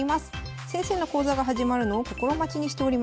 先生の講座が始まるのを心待ちにしておりました。